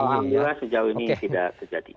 alhamdulillah sejauh ini tidak terjadi